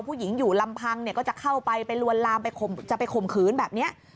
ผู้หญิงอยู่ลำพังเนี่ยก็จะเข้าไปไปลวนลามไปจะไปข่มขืนแบบนี้